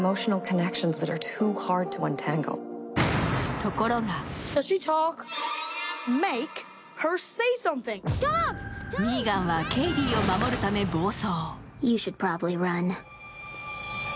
ところがミーガンはケイディを守るため暴走。